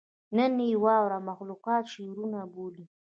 نن ئې واړه مخلوقات شعرونه بولي